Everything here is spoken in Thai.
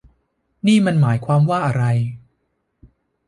นี่มันหมายความว่าอะไร